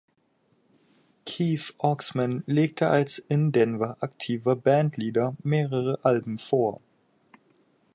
Keith Oxman legte als in Denver aktiver Bandleader mehrere Alben vor.